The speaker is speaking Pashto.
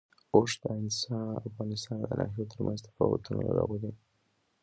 اوښ د افغانستان د ناحیو ترمنځ تفاوتونه راولي.